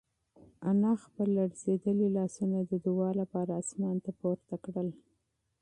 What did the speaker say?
انا خپل لړزېدلي لاسونه د دعا لپاره اسمان ته پورته کړل.